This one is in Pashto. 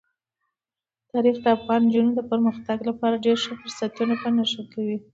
تاریخ د افغان نجونو د پرمختګ لپاره ډېر ښه فرصتونه په نښه کوي.